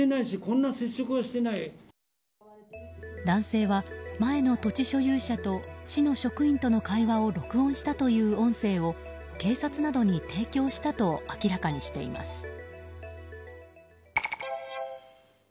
男性は、前の土地所有者と市の職員との会話を録音したという音声を警察などに提供したと明らかにしています。